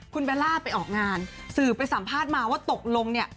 คุณเบลล่าไปออกงานสื่อไปสัมภาษณ์มาว่าตกลงเนี่ย